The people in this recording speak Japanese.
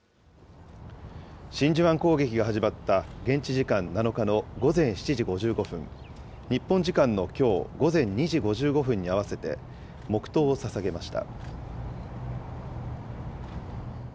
真珠湾攻撃が始まった現地時間７日の午前７時５５分、日本時間のきょう午前２時５５分に合わせて、黙とうをささげました。